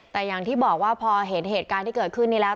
แต่อย่างที่บอกว่าพอเห็นเหตุการณ์ที่เกิดขึ้นนี้แล้ว